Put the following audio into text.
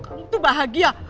kan tuh bahagia